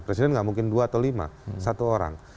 mungkin dua atau lima satu orang